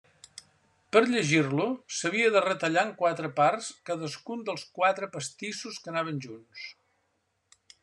Per llegir-lo s'havia de retallar en quatre parts cadascun dels quatre pastissos que anaven junts.